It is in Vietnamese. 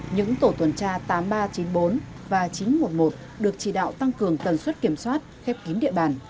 những tổ tuần tra tám nghìn ba trăm chín mươi bốn và chín trăm một mươi một được chỉ đạo tăng cường tần suất kiểm soát khép kín địa bàn